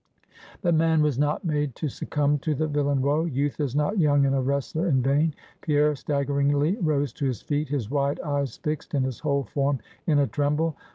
But man was not made to succumb to the villain Woe. Youth is not young and a wrestler in vain. Pierre staggeringly rose to his feet; his wide eyes fixed, and his whole form in a tremble.